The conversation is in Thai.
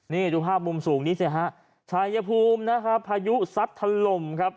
นี่ดูภาพมุมสูงนี้สิฮะชายภูมินะครับพายุซัดถล่มครับ